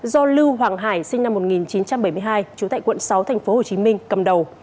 do lưu hoàng hải sinh năm một nghìn chín trăm bảy mươi hai trú tại quận sáu tp hcm cầm đầu